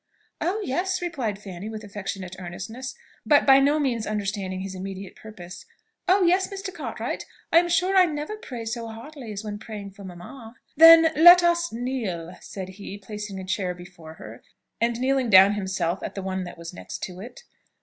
"Oh yes," replied Fanny, with affectionate earnestness, but by no means understanding his immediate purpose, "Oh yes, Mr. Cartwright; I am sure I never pray so heartily as when praying for mamma." "Then let us kneel," said he, placing a chair before her, and kneeling down himself at the one that was next to it.